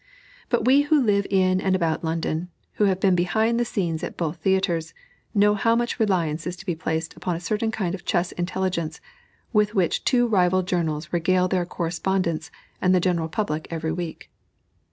But we who live in and about London, who have been behind the scenes at both theatres, know how much reliance is to be placed upon a certain kind of chess intelligence with which two rival journals regale their correspondents and the general public every week.